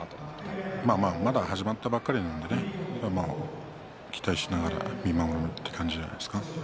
まあ、まだ始まったばかりなんでね期待しながら見守るという感じじゃないですか？